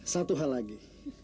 satu hal lagi